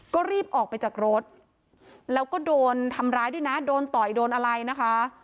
ก็รีบออกไปจากรถแล้วก็โดนทำร้ายด้วยนะโดนต่อยโดนอะไรนะคะ